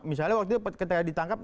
misalnya waktu itu ketika ditangkap